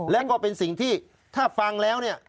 และก็เป็นสิ่งที่ถ้าฟังแล้วเนี่ย